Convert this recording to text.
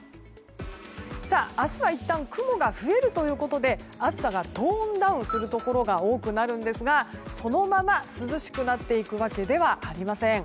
明日はいったん雲が増えるということで暑さがトーンダウンするところが多くなるんですがそのまま涼しくなっていくわけではありません。